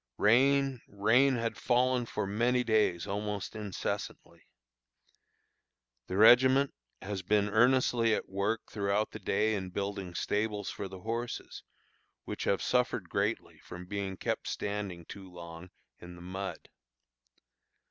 Rain, rain had fallen for many days almost incessantly. The regiment has been earnestly at work throughout the day in building stables for the horses, which have suffered greatly from being kept standing too long in the mud.